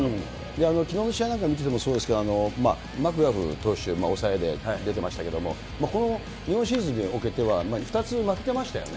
きのうの試合なんか見ててもそうですけど、マクガフ投手、抑えで出てましたけれども、この日本シリーズにおけては２つ負けてましたよね。